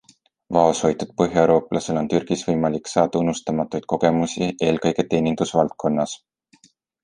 Vaoshoitud põhjaeurooplasel on Türgis võimalik saada unustamatuid kogemusi, eelkõige teenindusvaldkonnas.